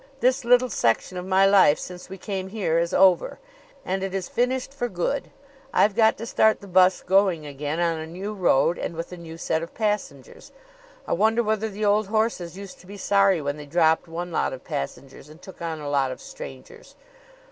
This little section of my life since we came here is over, and it is finished for good. I've got to start the bus going again on a new road and with a new set of passengers. I wonder whether the old horses used to be sorry when they dropped one lot of passengers and took on a lot of strangers?"